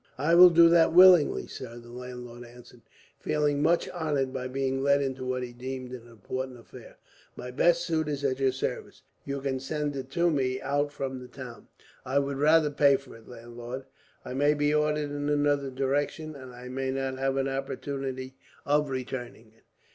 "I will do that willingly, sir," the landlord answered, feeling much honoured by being let into what he deemed an important affair. "My best suit is at your service. You can send it me out from the town." "I would rather pay for it, landlord. I may be ordered in another direction, and may not have an opportunity of returning it.